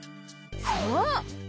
そう！